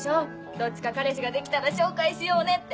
どっちか彼氏ができたら紹介しようねって。